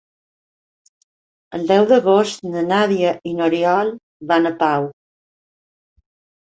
El deu d'agost na Nàdia i n'Oriol van a Pau.